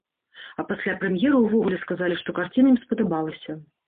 А пасля прэм'еры ўвогуле сказалі, што карціна ім спадабалася.